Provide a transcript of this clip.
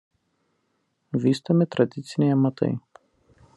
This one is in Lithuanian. Vystomi tradiciniai amatai.